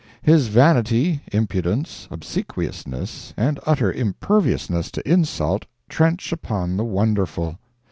His vanity, impudence, obsequiousness and utter imperviousness to insult trench upon the wonderful.